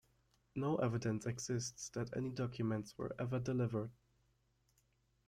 No evidence exists that any documents were ever delivered.